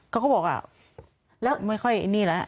เขาก็บอกไม่ค่อยนี่แล้ว